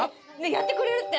やってくれるって！